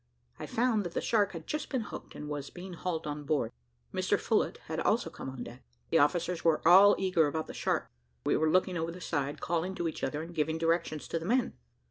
I found that the shark had just been hooked, and was being hauled on board. Mr Phillott had also come on deck. The officers were all eager about the shark, and were looking over the side, calling to each other, and giving directions to the men.